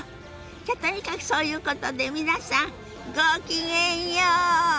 じゃとにかくそういうことで皆さんごきげんよう！